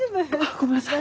ごめんなさい。